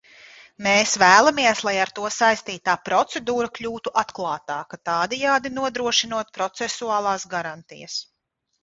Mēs vēlamies, lai ar to saistītā procedūra kļūtu atklātāka, tādējādi nodrošinot procesuālās garantijas.